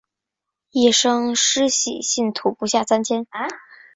一生施洗信徒不下三千。